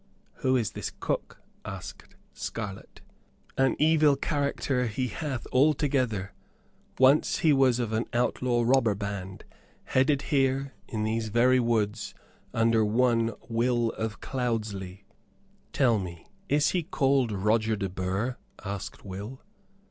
"Who is this cook?" asked Scarlett. "An evil character, he hath altogether. Once he was of an outlaw robber band, headed here in these very woods under one Will of Cloudesley." "Tell me, is he called Roger de Burgh?" asked Will.